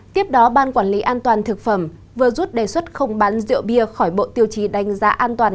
tiếp đó ban quản lý an toàn thực phẩm vừa rút đề xuất không bán rượu bia khỏi bộ tiêu chí đánh giá an toàn